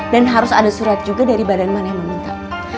dan harus ada surat juga dari badan mana yang meminta